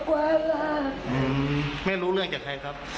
คุณแม่เหมือนในช่วงเจ้าของครับ